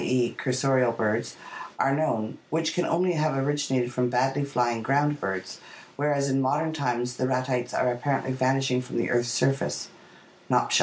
e., cursorial birds) are known, which can only have originated from badly flying ground birds, whereas in more modern times the Ratites are apparently vanishing from the earth's surface (Nopcsa).